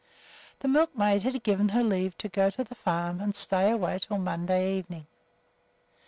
The milkmaid had given her leave to go to the farm and to stay away until Monday evening.